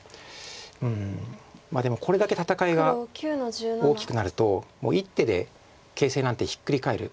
うんまあでもこれだけ戦いが大きくなるともう一手で形勢なんてひっくり返る。